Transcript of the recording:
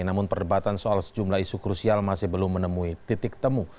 namun perdebatan soal sejumlah isu krusial masih belum menemui titik temu